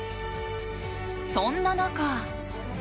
そんな中。